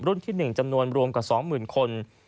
รุ่นที่๑จำนวนรวมกับ๒๐๐๐๐คน